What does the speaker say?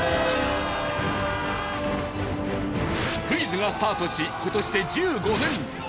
クイズがスタートし今年で１５年。